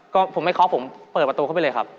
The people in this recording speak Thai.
ก็ผมไม่เคาะผมเปิดประตูเข้าไปเลยครับ